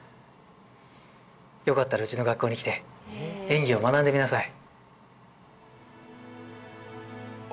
よかったらうちの学校に来て演技を学んでみなさい